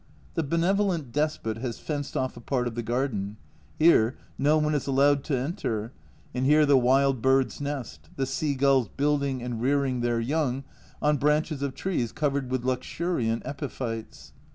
The benevolent despot has fenced off a part of the garden ; here no one is allowed to enter, and here the wild birds nest the sea gulls building and rearing their young on branches of trees covered with luxuriant epiphytes